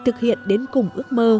được hiện đến cùng ước mơ